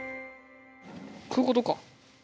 こういうことか！